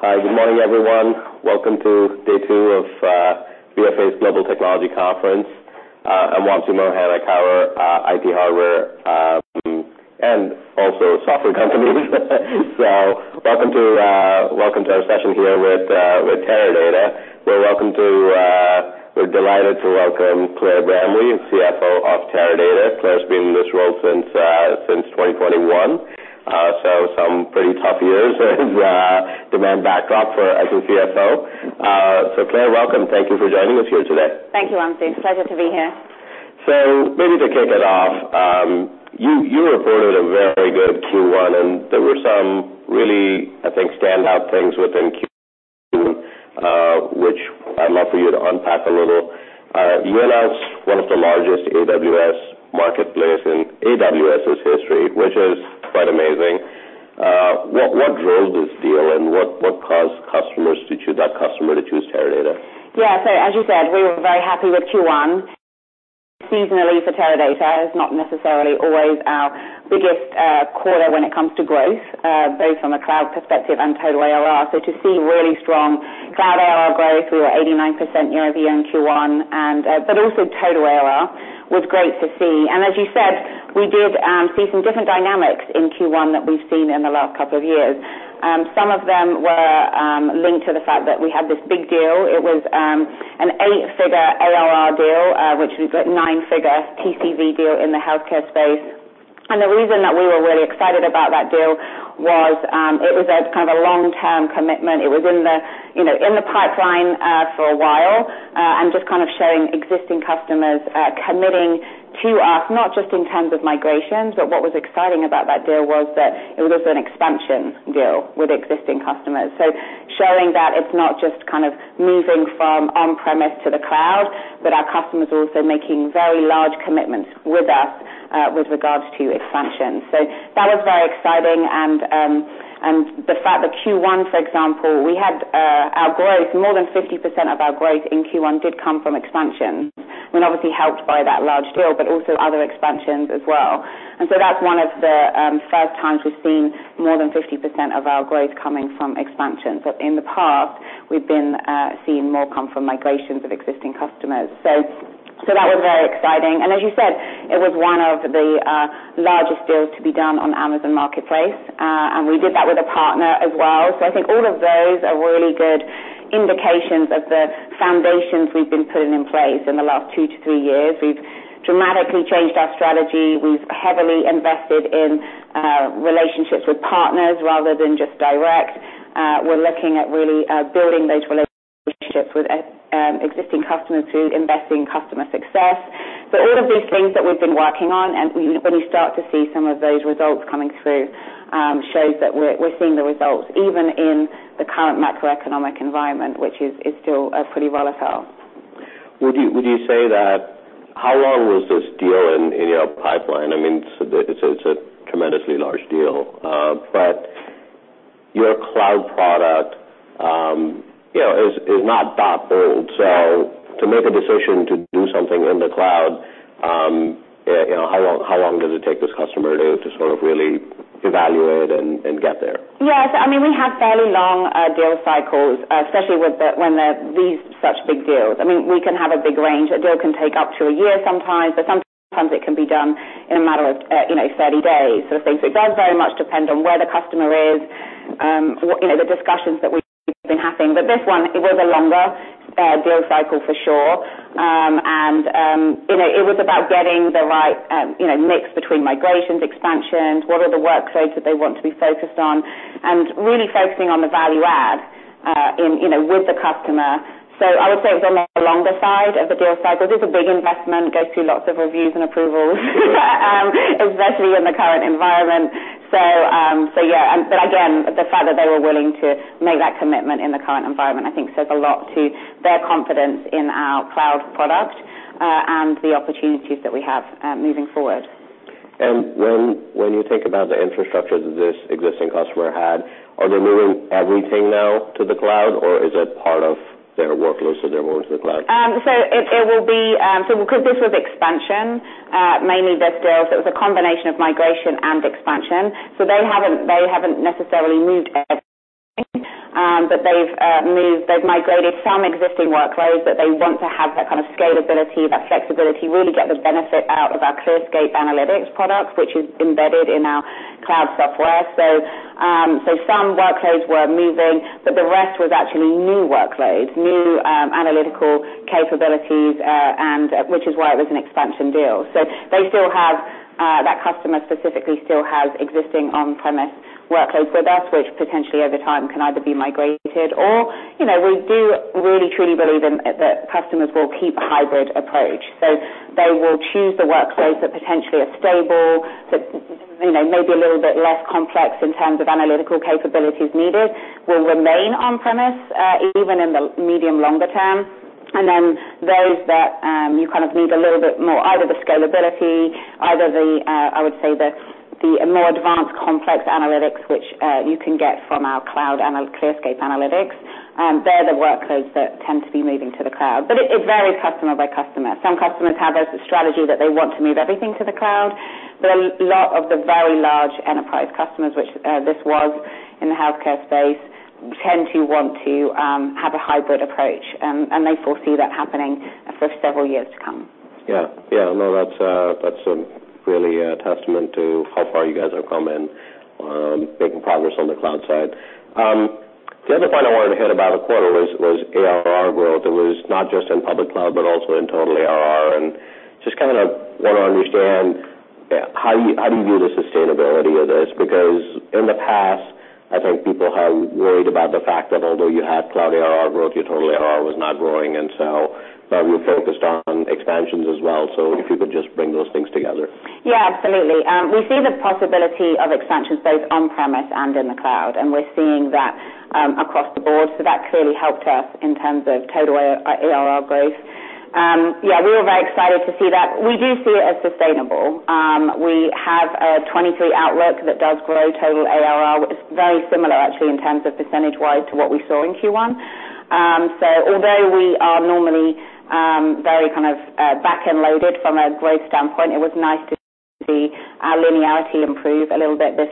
Hi, good morning, everyone. Welcome to day two of BofA's Global Technology Conference. I'm Wamsi Mohan, I cover IT hardware and also software companies. Welcome to our session here with Teradata. We're delighted to welcome Claire Bramley, Chief Financial Officer of Teradata. Claire's been in this role since 2021, some pretty tough years as demand back off for, as a Chief Financial Officer. Claire, welcome. Thank you for joining us here today. Thank you, Wamsi. Pleasure to be here. Maybe to kick it off, you reported a very good Q1, and there were some really, I think, stand out things within Q2, which I'd love for you to unpack a little. You announced one of the largest AWS Marketplace in AWS's history, which is quite amazing. What drove this deal, and what caused that customer to choose Teradata? Yeah. As you said, we were very happy with Q1. Seasonally for Teradata is not necessarily always our biggest quarter when it comes to growth, both from a cloud perspective and total ARR. To see really strong cloud ARR growth, we were 89% year-over-year in Q1, and but also total ARR was great to see. As you said, we did see some different dynamics in Q1 than we've seen in the last couple of years. Some of them were linked to the fact that we had this big deal. It was an 8-figure ARR deal, which was a nine-figure TCV deal in the healthcare space. The reason that we were really excited about that deal was it was a kind of a long-term commitment. It was in the, you know, in the pipeline, for a while, and just kind of showing existing customers, committing to us, not just in terms of migrations. What was exciting about that deal was that it was an expansion deal with existing customers. Showing that it's not just kind of moving from on-premise to the cloud, but our customers also making very large commitments with us, with regards to expansion. That was very exciting. The fact that Q1, for example, we had, our growth, more than 50% of our growth in Q1 did come from expansion. We were obviously helped by that large deal, but also other expansions as well. That's one of the, first times we've seen more than 50% of our growth coming from expansion. In the past, we've been seeing more come from migrations of existing customers. That was very exciting. As you said, it was one of the largest deals to be done on AWS Marketplace, and we did that with a partner as well. I think all of those are really good indications of the foundations we've been putting in place in the last two to three years. We've dramatically changed our strategy. We've heavily invested in relationships with partners rather than just direct. We're looking at really building those relationships with existing customers through investing in customer success. All of these things that we've been working on, and when you start to see some of those results coming through, shows that we're seeing the results even in the current macroeconomic environment, which is still pretty volatile. Would you say that how long was this deal in your pipeline? I mean, it's a tremendously large deal, but your cloud product, you know, is not that old. To make a decision to do something in the cloud, you know, how long does it take this customer to sort of really evaluate and get there? Yeah. I mean, we have fairly long deal cycles, especially with these such big deals. I mean, we can have a big range. A deal can take up to a year sometimes, but sometimes it can be done in a matter of, you know, 30 days sort of thing. It does very much depend on where the customer is, you know, the discussions that we've been having. This one, it was a longer deal cycle for sure. You know, it was about getting the right, you know, mix between migrations, expansions, what are the workloads that they want to be focused on, and really focusing on the value add, in, you know, with the customer. I would say it was on the longer side of the deal side. This is a big investment, it goes through lots of reviews and approvals, especially in the current environment. Yeah, and but again, the fact that they were willing to make that commitment in the current environment, I think says a lot to their confidence in our cloud product, and the opportunities that we have, moving forward. When you think about the infrastructure that this existing customer had, are they moving everything now to the cloud, or is it part of their workloads that they're moving to the cloud? It will be so because this was expansion, mainly this deal, it was a combination of migration and expansion. They haven't necessarily moved everything, but they've migrated some existing workloads, but they want to have that kind of scalability, that flexibility, really get the benefit out of our ClearScape Analytics product, which is embedded in our cloud software. Some workloads were moving, but the rest was actually new workloads, new analytical capabilities, which is why it was an expansion deal. They still have that customer specifically still has existing on-premise workloads with us, which potentially over time, can either be migrated or, you know, we do really truly believe in that customers will keep a hybrid approach. They will choose the workloads that potentially are stable, that, you know, may be a little bit less complex in terms of analytical capabilities needed, will remain on premise, even in the medium, longer term. Then those that, you kind of need a little bit more, either the scalability, either the, I would say the more advanced complex analytics, which you can get from our cloud ClearScape Analytics. They're the workloads that tend to be moving to the cloud, but it varies customer by customer. Some customers have a strategy that they want to move everything to the cloud, but a lot of the very large enterprise customers, which this was in the healthcare space, tend to want to have a hybrid approach. They foresee that happening for several years to come. Yeah. Yeah. No, that's, really a testament to how far you guys have come in, making progress on the cloud side. The other point I wanted to hit about the quarter was ARR growth. It was not just in public cloud, but also in total ARR. Just kind of want to understand, how do you view the sustainability of this? Because in the past, I think people have worried about the fact that although you had cloud ARR growth, your total ARR was not growing. You focused on expansions as well. If you could just bring those things together. Yeah, absolutely. We see the possibility of expansions both on-premise and in the cloud, and we're seeing that across the board. That clearly helped us in terms of total ARR growth. Yeah, we were very excited to see that. We do see it as sustainable. We have a 23 outlook that does grow total ARR, which is very similar actually, in terms of percentage-wise to what we saw in Q1. Although we are normally very kind of back-end loaded from a growth standpoint, it was nice to see our linearity improve a little bit this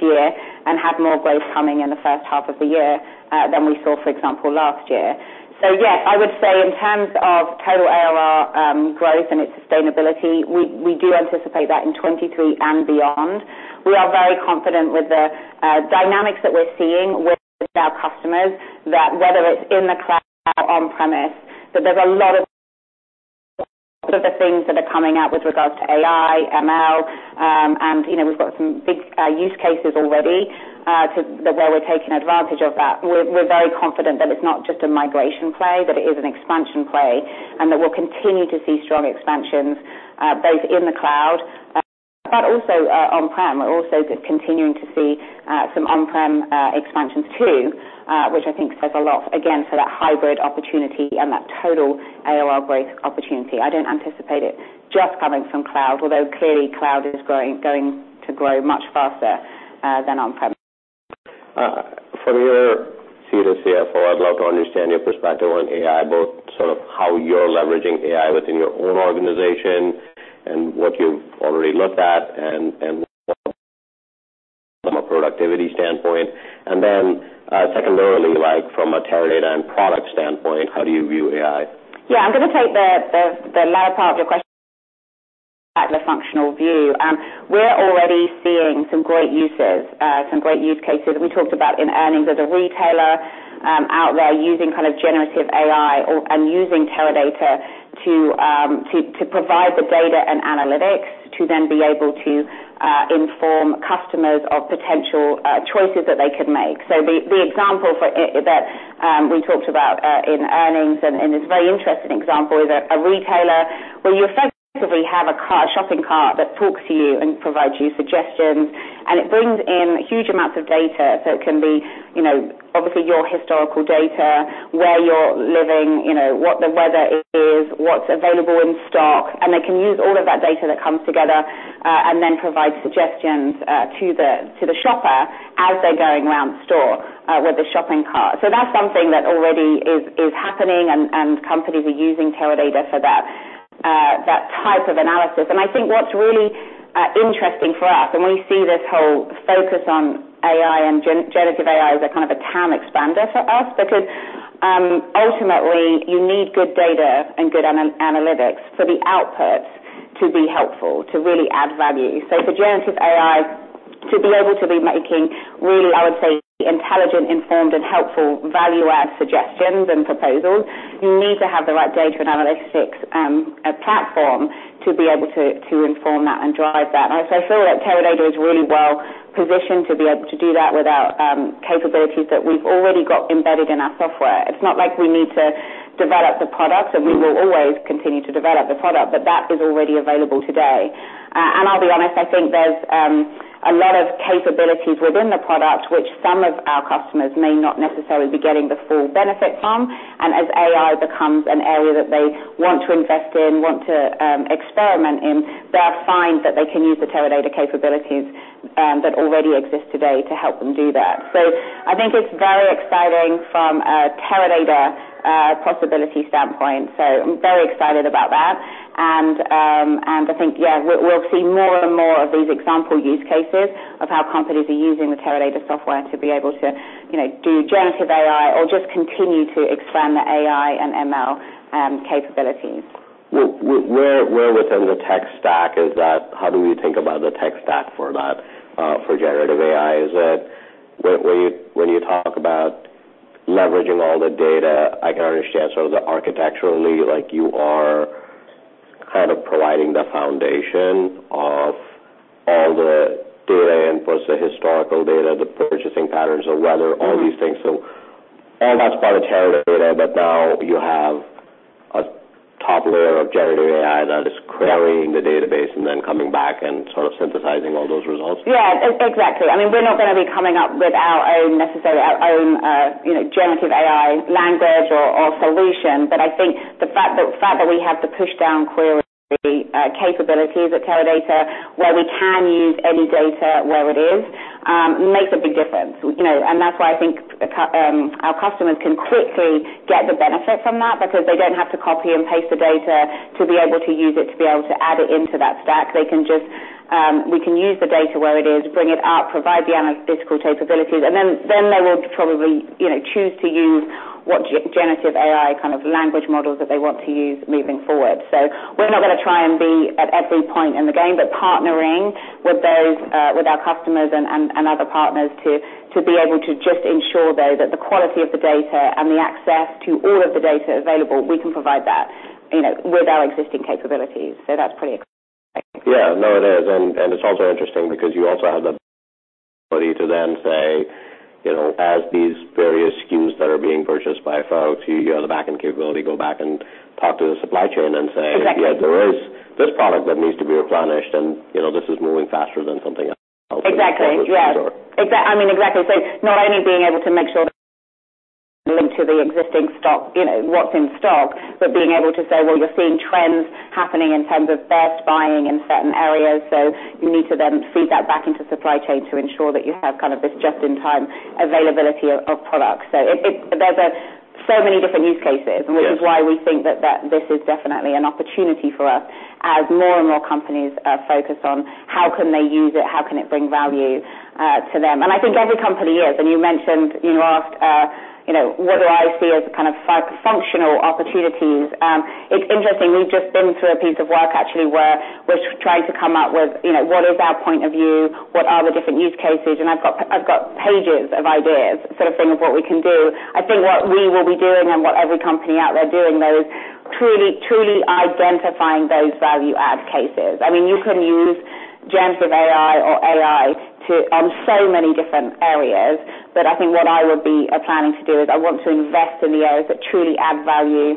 year, and have more growth coming in the first half of the year than we saw, for example, last year. Yes, I would say in terms of total ARR growth and its sustainability, we do anticipate that in 23 and beyond. We are very confident with the dynamics that we're seeing with our customers, that whether it's in the cloud or on-premise, that there's a lot of the things that are coming out with regards to AI, ML, and, you know, we've got some big use cases already that where we're taking advantage of that. We're very confident that it's not just a migration play, that it is an expansion play, and that we'll continue to see strong expansions both in the cloud, but also on-prem. We're also continuing to see some on-prem expansions, too, which I think says a lot, again, for that hybrid opportunity and that total ARR growth opportunity. I don't anticipate it just coming from cloud, although clearly cloud is going to grow much faster, than on-prem. From your seat as Chief Financial Officer, I'd love to understand your perspective on AI, both sort of how you're leveraging AI within your own organization and what you've already looked at and from a productivity standpoint, and then secondarily, like from a Teradata and product standpoint, how do you view AI? Yeah, I'm going to take the, the latter part of your question, at the functional view. We're already seeing some great uses, some great use cases. We talked about in earnings, there's a retailer out there using kind of generative AI and using Teradata to provide the data and analytics, to then be able to inform customers of potential choices that they can make. The example that we talked about in earnings, and it's a very interesting example, is a retailer, where you effectively have a shopping cart that talks to you and provides you suggestions, and it brings in huge amounts of data. It can be, you know, obviously your historical data, where you're living, you know, what the weather is, what's available in stock, and they can use all of that data that comes together, and then provide suggestions to the shopper as they're going around the store with the shopping cart. That's something that already is happening, and companies are using Teradata for that type of analysis. I think what's really interesting for us, and we see this whole focus on AI and generative AI as a kind of a TAM expander for us, because ultimately, you need good data and good analytics for the outputs to be helpful, to really add value. For generative AI to be able to be making really, I would say, intelligent, informed, and helpful value-add suggestions and proposals, you need to have the right data and analytics platform to be able to inform that and drive that. I feel that Teradata is really well positioned to be able to do that with our capabilities that we've already got embedded in our software. It's not like we need to develop the product, and we will always continue to develop the product, but that is already available today. I'll be honest, I think there's a lot of capabilities within the product, which some of our customers may not necessarily be getting the full benefit from. As AI becomes an area that they want to invest in, want to experiment in, they'll find that they can use the Teradata capabilities that already exist today to help them do that. I think it's very exciting from a Teradata possibility standpoint. I'm very excited about that. I think, yeah, we'll see more and more of these example use cases of how companies are using the Teradata software to be able to, you know, do generative AI or just continue to expand the AI and ML capabilities. Where within the tech stack is that? How do you think about the tech stack for that for generative AI? When you talk about leveraging all the data, I can understand sort of the architecturally, like you are kind of providing the foundation of all the data and plus the historical data, the purchasing patterns or whether all these things. All that's part of Teradata, but now you have a top layer of generative AI that is querying the database and then coming back and sort of synthesizing all those results? Yeah, exactly. I mean, we're not going to be coming up with our own, necessarily, our own, you know, generative AI language or solution. I think the fact that, the fact that we have the push-down query, the capabilities at Teradata, where we can use any data where it is, makes a big difference. You know, that's why I think our customers can quickly get the benefit from that because they don't have to copy and paste the data to be able to use it, to be able to add it into that stack. We can use the data where it is, bring it up, provide the analytical capabilities, and then they will probably, you know, choose to use what generative AI kind of language models that they want to use moving forward. We're not gonna try and be at every point in the game, but partnering with those, with our customers and other partners to be able to just ensure, though, that the quality of the data and the access to all of the data available, we can provide that, you know, with our existing capabilities. That's pretty exciting. Yeah, no, it is. And it's also interesting because you also have the ability to then say, you know, as these various SKUs that are being purchased by folks, you have the backend capability to go back and talk to the supply chain and say. Exactly. Yeah, there is this product that needs to be replenished, and, you know, this is moving faster than something else. Exactly. Yeah. Sure. I mean, exactly. Not only being able to make sure linked to the existing stock, you know, what's in stock, but being able to say, well, you're seeing trends happening in terms of best buying in certain areas. You need to then feed that back into supply chain to ensure that you have kind of this just-in-time availability of products. There's so many different use cases. Yes. which is why we think that this is definitely an opportunity for us as more and more companies focus on how can they use it, how can it bring value to them. Yes. I think every company is. You mentioned, you know, asked, you know, what do I see as the kind of functional opportunities? It's interesting, we've just been through a piece of work actually, where we're trying to come up with, you know, what is our point of view? What are the different use cases? I've got pages of ideas, sort of thing, of what we can do. I think what we will be doing and what every company out there doing, though, is truly identifying those value-add cases. I mean, you can use generative AI or AI to, on so many different areas, but I think what I would be planning to do is I want to invest in the areas that truly add value,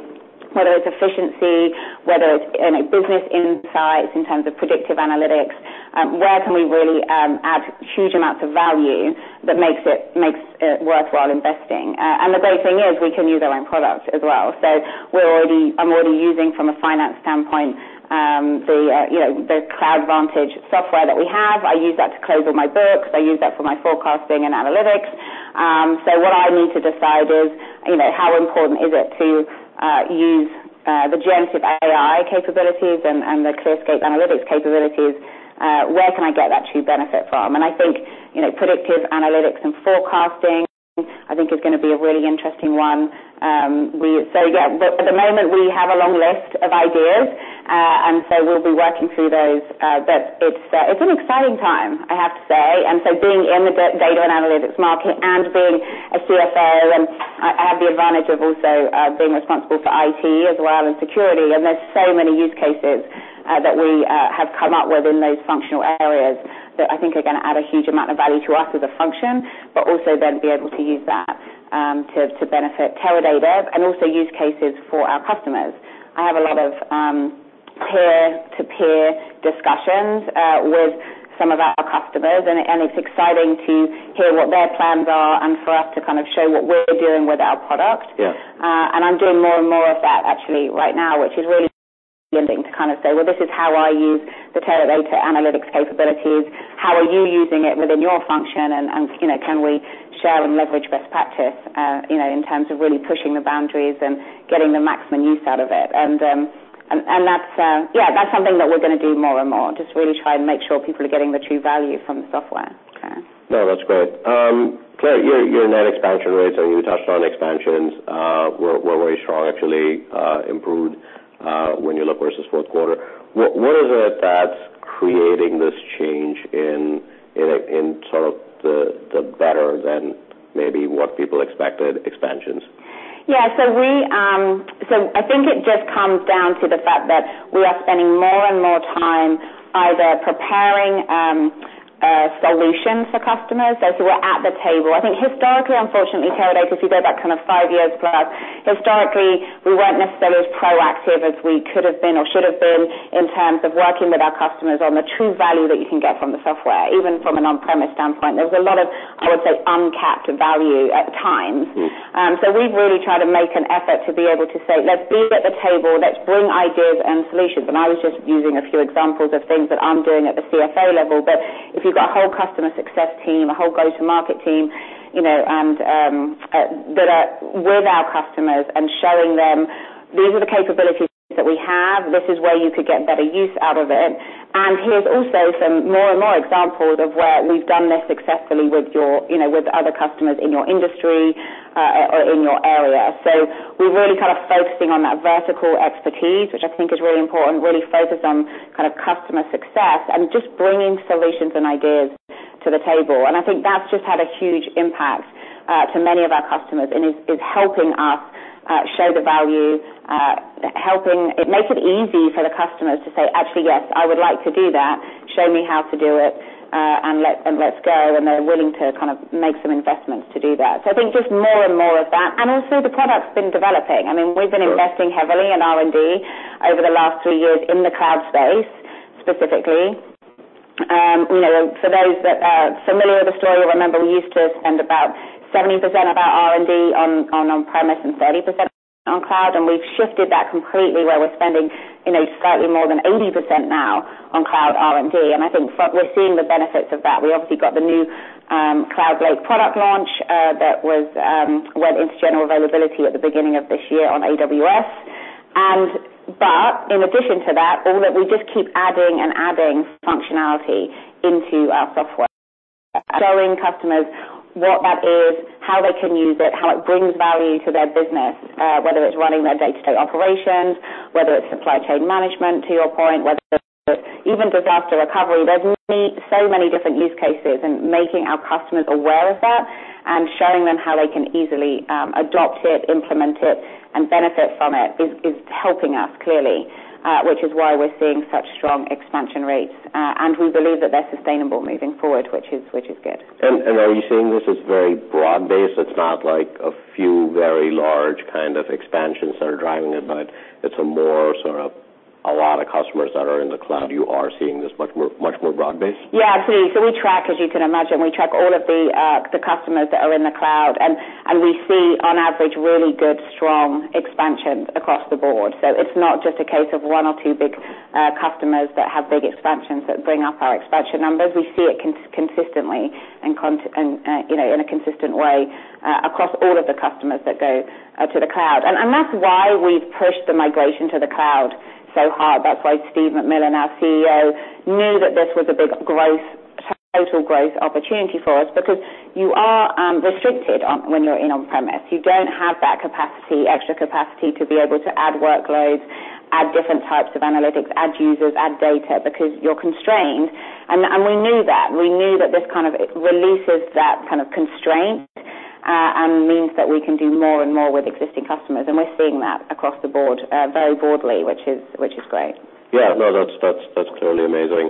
whether it's efficiency, whether it's, you know, business insights in terms of predictive analytics. Where can we really add huge amounts of value that makes it worthwhile investing? The great thing is we can use our own product as well. I'm already using, from a finance standpoint, you know, the VantageCloud software that we have. I use that to close all my books. I use that for my forecasting and analytics. What I need to decide is, you know, how important is it to use the generative AI capabilities and the ClearScape Analytics capabilities, where can I get that true benefit from? I think, you know, predictive analytics and forecasting, I think, is gonna be a really interesting one. Yeah, at the moment, we have a long list of ideas, we'll be working through those. It's an exciting time, I have to say. Being in the data and analytics market and being a Chief Financial Officer, and I have the advantage of also being responsible for IT as well, and security. There's so many use cases that we have come up with in those functional areas that I think are gonna add a huge amount of value to us as a function, but also then be able to use that to benefit Teradata, and also use cases for our customers. I have a lot of peer-to-peer discussions with some of our customers, and it's exciting to hear what their plans are and for us to kind of show what we're doing with our product. Yeah. I'm doing more and more of that actually right now, which is really beginning to kind of say, "Well, this is how I use the Teradata analytics capabilities. How are you using it within your function? You know, can we share and leverage best practice, you know, in terms of really pushing the boundaries and getting the maximum use out of it?" That's something that we're gonna do more and more, just really try and make sure people are getting the true value from the software. Okay. That's great. Claire, your net expansion rates, and you touched on expansions, were very strong, actually, improved, when you look versus fourth quarter. What is it that's creating this change in sort of the better-than-maybe-what-people-expected expansions? I think it just comes down to the fact that we are spending more and more time either preparing solutions for customers, as we're at the table. I think historically, unfortunately, Teradata, if you go back kind of five years plus, historically, we weren't necessarily as proactive as we could have been or should have been in terms of working with our customers on the true value that you can get from the software, even from an on-premise standpoint. There was a lot of, I would say, uncapped value at times. We've really tried to make an effort to be able to say, "Let's be at the table. Let's bring ideas and solutions." I was just using a few examples of things that I'm doing at the Chief Financial Officer level. If you've got a whole customer success team, a whole go-to-market team, you know, that are with our customers and showing them, "These are the capabilities that we have, this is where you could get better use out of it, and here's also some more and more examples of where we've done this successfully with your, you know, with other customers in your industry, or in your area." We're really kind of focusing on that vertical expertise, which I think is really important, really focused on kind of customer success and just bringing solutions and ideas to the table. I think that's just had a huge impact, to many of our customers and is helping us, show the value. It makes it easy for the customers to say, "Actually, yes, I would like to do that. Show me how to do it, and let's go." They're willing to kind of make some investments to do that. I think just more and more of that. Also, the product's been developing. Sure. I mean, we've been investing heavily in R&D over the last three years in the cloud space, specifically. You know, for those that are familiar with the story, remember we used to spend about 70% of our R&D on on-premise and 30% on cloud. We've shifted that completely, where we're spending, you know, slightly more than 80% now on cloud R&D. I think we're seeing the benefits of that. We obviously got the new VantageCloud Lake product launch that went into general availability at the beginning of this year on AWS. In addition to that, all that we just keep adding and adding functionality into our software, showing customers what that is, how they can use it, how it brings value to their business, whether it's running their day-to-day operations, whether it's supply chain management, to your point, whether even disaster recovery. There's so many different use cases, and making our customers aware of that and showing them how they can easily adopt it, implement it and benefit from it, is helping us clearly, which is why we're seeing such strong expansion rates. We believe that they're sustainable moving forward, which is good. Are you seeing this as very broad-based? It's not like a few very large kind of expansions that are driving it, but it's a more sort of a lot of customers that are in the cloud. You are seeing this much more broad-based? Yeah, absolutely. We track, as you can imagine, we track all of the customers that are in the cloud, and we see on average, really good, strong expansions across the board. It's not just a case of one or two big customers that have big expansions that bring up our expansion numbers. We see it consistently and, you know, in a consistent way, across all of the customers that go to the cloud. That's why we've pushed the migration to the cloud so hard. That's why Steve McMillan, our Chief Executive Officer, knew that this was a big growth, total growth opportunity for us. Because you are restricted when you're in on-premise. You don't have that capacity, extra capacity to be able to add workloads, add different types of analytics, add users, add data, because you're constrained. We knew that. We knew that this kind of releases that kind of constraint, and means that we can do more and more with existing customers. We're seeing that across the board, very broadly, which is, which is great. Yeah. No, that's clearly amazing.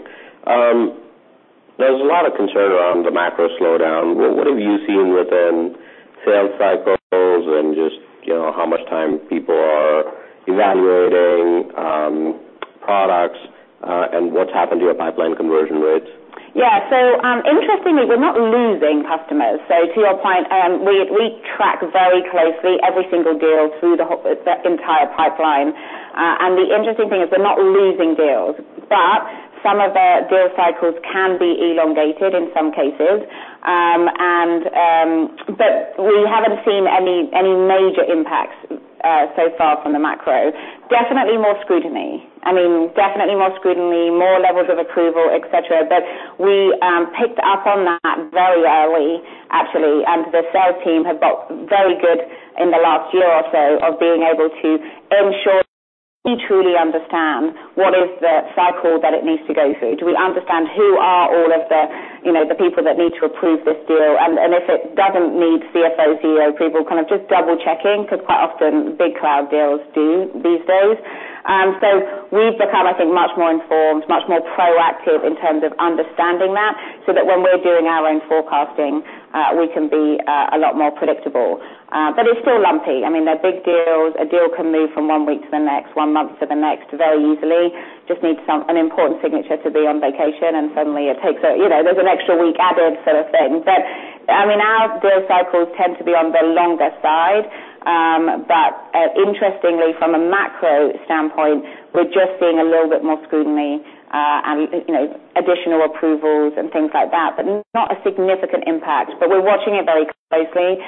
There's a lot of concern around the macro slowdown. What have you seen within sales cycles and just, you know, how much time people are evaluating products, and what's happened to your pipeline conversion rates? Yeah. Interestingly, we're not losing customers. To your point, we track very closely every single deal through the entire pipeline. The interesting thing is we're not losing deals, but some of the deal cycles can be elongated in some cases. We haven't seen any major impacts so far from the macro. Definitely more scrutiny. I mean, definitely more scrutiny, more levels of approval, et cetera. We picked up on that very early, actually, and the sales team have got very good in the last year or so of being able to ensure we truly understand what is the cycle that it needs to go through. Do we understand who are all of the, you know, the people that need to approve this deal? If it doesn't need Chief Financial Officer, Chief Executive Officer approval, kind of just double checking, because quite often big cloud deals do these days. So we've become, I think, much more informed, much more proactive in terms of understanding that, so that when we're doing our own forecasting, we can be a lot more predictable. It's still lumpy. I mean, they're big deals. A deal can move from one week to the next, one month to the next very easily. Just need an important signature to be on vacation, and suddenly. You know, there's an extra week added sort of thing. I mean, our deal cycles tend to be on the longer side. Interestingly, from a macro standpoint, we're just seeing a little bit more scrutiny, and, you know, additional approvals and things like that, but not a significant impact. We're watching it very closely.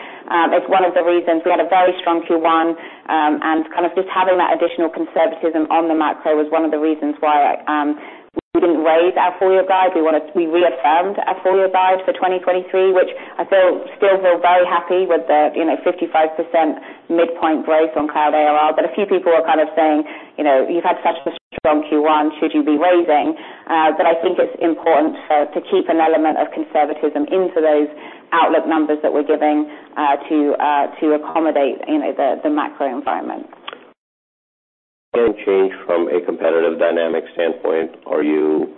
It's one of the reasons we had a very strong Q1, and kind of just having that additional conservatism on the macro was one of the reasons why we didn't raise our full-year guide. We reaffirmed our full-year guide for 2023, which I still feel very happy with the, you know, 55% midpoint growth on cloud ARR. A few people were kind of saying, "You know, you've had such a strong Q1, should you be raising?" I think it's important to keep an element of conservatism into those outlook numbers that we're giving to accommodate, you know, the macro environment. Any change from a competitive dynamic standpoint? Are you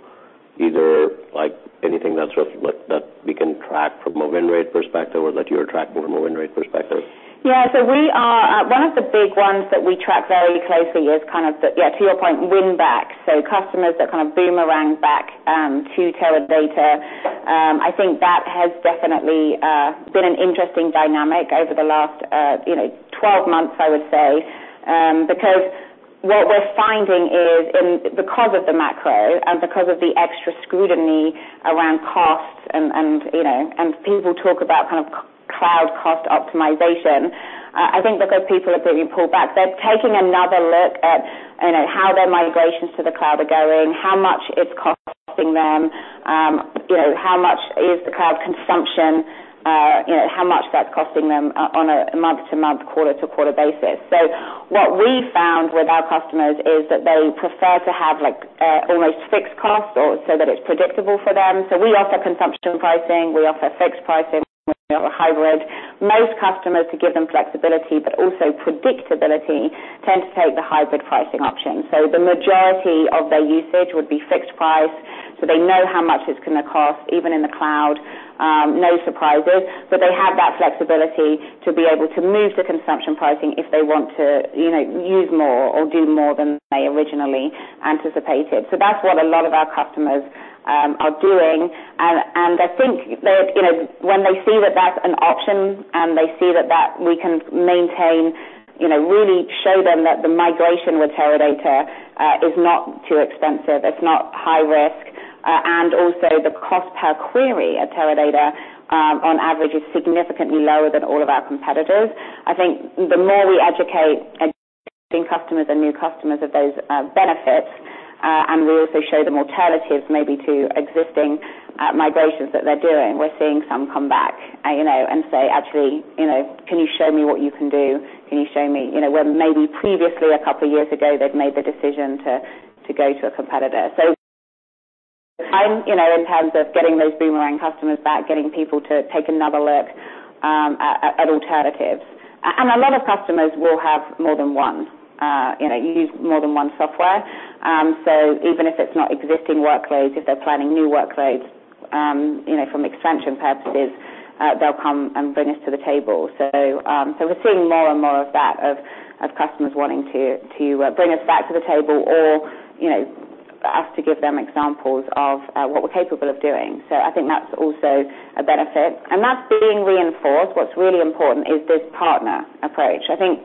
either, like, anything that's sort of like that we can track from a win rate perspective or that you track from a win rate perspective? Yeah. One of the big ones that we track very closely is kind of the, yeah, to your point, win back. Customers that kind of boomerang back to Teradata. I think that has definitely been an interesting dynamic over the last, you know, 12 months, I would say. Because what we're finding is because of the macro and because of the extra scrutiny around costs and, you know, and people talk about kind of cloud cost optimization, I think because people are being pulled back, they're taking another look at, you know, how their migrations to the cloud are going, how much it's costing them, you know, how much is the cloud consumption? You know, how much that's costing them on a month-to-month, quarter-to-quarter basis. What we found with our customers is that they prefer to have like, almost fixed costs or so that it's predictable for them. We offer consumption pricing. We offer fixed pricing or hybrid. Most customers, to give them flexibility, but also predictability, tend to take the hybrid pricing option. The majority of their usage would be fixed price, so they know how much it's gonna cost, even in the cloud. No surprises, but they have that flexibility to be able to move to consumption pricing if they want to, you know, use more or do more than they originally anticipated. That's what a lot of our customers are doing. I think that, you know, when they see that that's an option and they see that we can maintain, you know, really show them that the migration with Teradata is not too expensive, it's not high risk. Also the cost per query at Teradata, on average, is significantly lower than all of our competitors. I think the more we educate customers and new customers of those benefits, we also show them alternatives maybe to existing migrations that they're doing. We're seeing some come back, you know, and say, "Actually, you know, can you show me what you can do? Can you show me?" You know, where maybe previously, a couple of years ago, they've made the decision to go to a competitor. I'm, you know, in terms of getting those boomerang customers back, getting people to take another look at alternatives. A lot of customers will have more than one. You know, you use more than one software. Even if it's not existing workloads, if they're planning new workloads, you know, from expansion purposes, they'll come and bring us to the table. We're seeing more and more of that, of customers wanting to bring us back to the table or, you know, us to give them examples of what we're capable of doing. I think that's also a benefit. That's being reinforced. What's really important is this partner approach. I think,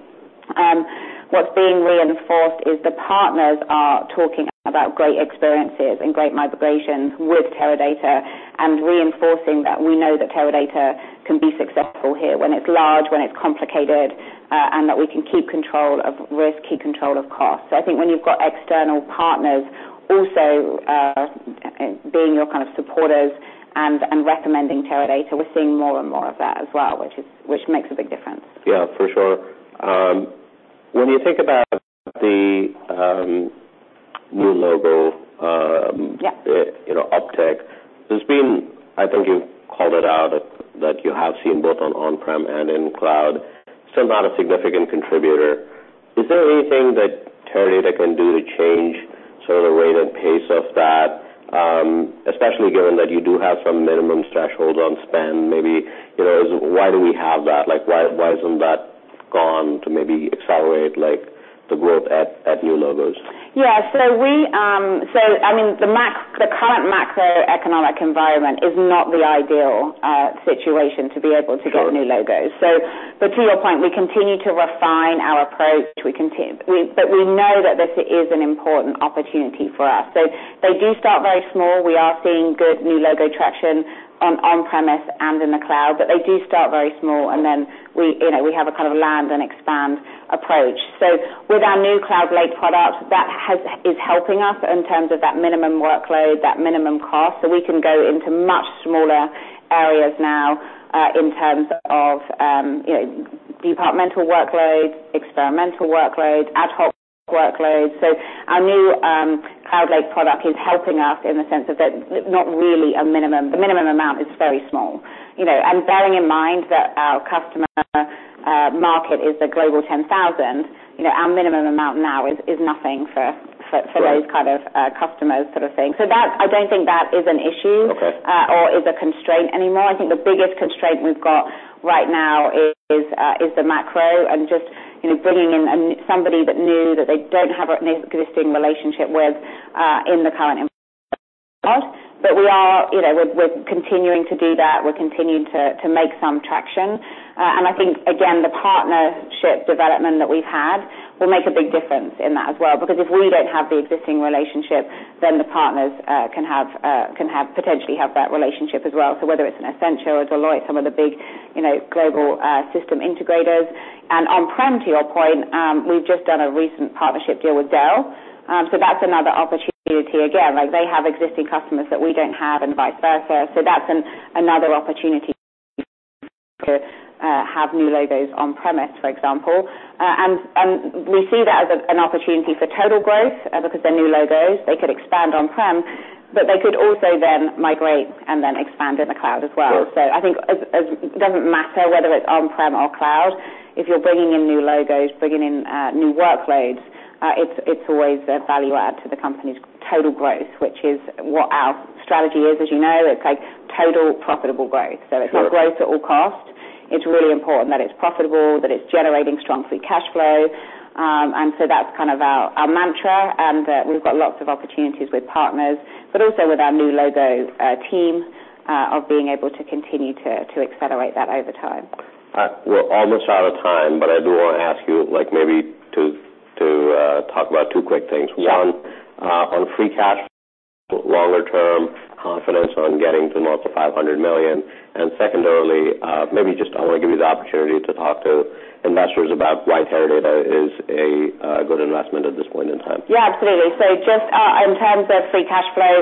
what's being reinforced is the partners are talking about great experiences and great migrations with Teradata, reinforcing that we know that Teradata can be successful here, when it's large, when it's complicated, and that we can keep control of risk, keep control of cost. I think when you've got external partners also, being your kind of supporters and recommending Teradata, we're seeing more and more of that as well, which makes a big difference. Yeah, for sure. When you think about the, new logo. Yeah. You know, upsell, there's been, I think you've called it out, that you have seen both on on-prem and in cloud, still not a significant contributor. Is there anything that Teradata can do to change sort of the rate and pace of that, especially given that you do have some minimum thresholds on spend? Maybe, you know, why do we have that? Why isn't that gone to maybe accelerate, like, the growth at new logos? Yeah. We, I mean, the current macroeconomic environment is not the ideal situation to be able- Sure To get new logos. But to your point, we continue to refine our approach. We know that this is an important opportunity for us. They do start very small. We are seeing good new logo traction on-premise and in the cloud, but they do start very small, you know, we have a kind of land and expand approach. With our new Cloud Lake product, is helping us in terms of that minimum workload, that minimum cost, so we can go into much smaller areas now, in terms of, you know, departmental workloads, experimental workloads, ad hoc workloads. Our new Cloud Lake product is helping us in the sense that there's not really a minimum. The minimum amount is very small. You know, bearing in mind that our customer market is the global 10,000, you know, our minimum amount now is nothing for. Right Those kind of customers sort of thing. That, I don't think that is an issue. Okay Or is a constraint anymore. I think the biggest constraint we've got right now is the macro and just, you know, bringing in somebody that new, that they don't have an existing relationship with in the current environment. We're continuing to do that. We're continuing to make some traction. I think, again, the partnership development that we've had will make a big difference in that as well, because if we don't have the existing relationship, then the partners can potentially have that relationship as well. Whether it's an Accenture or Deloitte, some of the big, you know, global system integrators. On-prem, to your point, we've just done a recent partnership deal with Dell. So that's another opportunity. Again, like they have existing customers that we don't have and vice versa. That's another opportunity to have new logos on-premise, for example. We see that as an opportunity for total growth because they're new logos. They could expand on-prem, but they could also then migrate and then expand in the cloud as well. Sure. I think as it doesn't matter whether it's on-prem or cloud, if you're bringing in new logos, bringing in new workloads, it's always a value add to the company's total growth, which is what our strategy is. As you know, it's like total profitable growth. Sure. It's not growth at all cost. It's really important that it's profitable, that it's generating strong free cash flow. That's kind of our mantra, and we've got lots of opportunities with partners, but also with our new logo team of being able to continue to accelerate that over time. We're almost out of time, but I do want to ask you, like maybe to talk about two quick things. Yeah. One, on free cash, longer-term confidence on getting to north of $500 million. Secondarily, maybe just I want to give you the opportunity to talk to investors about why Teradata is a good investment at this point in time. Yeah, absolutely. Just in terms of free cash flow,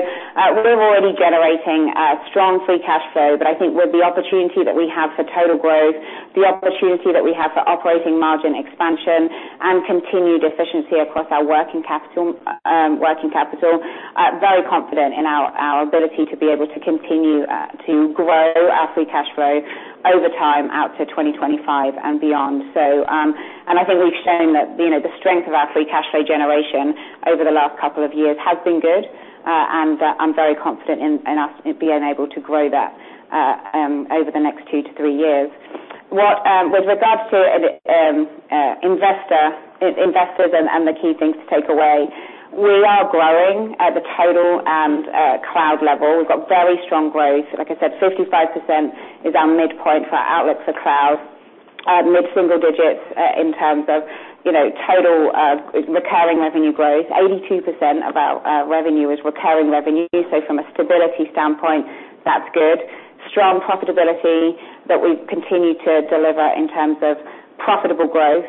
we're already generating strong free cash flow. I think with the opportunity that we have for total growth, the opportunity that we have for operating margin expansion and continued efficiency across our working capital, I'm very confident in our ability to be able to continue to grow our free cash flow over time, out to 2025 and beyond. I think we've shown that, you know, the strength of our free cash flow generation over the last couple of years has been good, and I'm very confident in us being able to grow that over the next two to three-years. What, with regards to investors and the key things to take away, we are growing at the total and cloud level. We've got very strong growth. Like I said, 55% is our midpoint for our outlook for cloud. Mid-single digits in terms of, you know, total recurring revenue growth. 82% of our revenue is recurring revenue, so from a stability standpoint, that's good. Strong profitability that we continue to deliver in terms of profitable growth,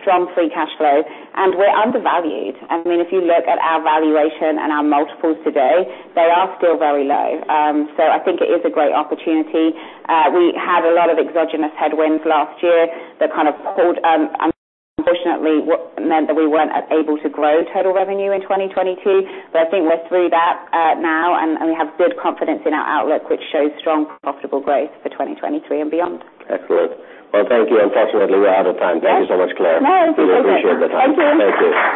strong free cash flow, and we're undervalued. I mean, if you look at our valuation and our multiples today, they are still very low. I think it is a great opportunity. We had a lot of exogenous headwinds last year that kind of pulled, unfortunately, what meant that we weren't able to grow total revenue in 2022. I think we're through that now, and we have good confidence in our outlook, which shows strong, profitable growth for 2023 and beyond. Excellent. Well, thank you. Unfortunately, we're out of time. Yeah. Thank you so much, Claire. No, thank you. We appreciate the time. Thank you. Thank you.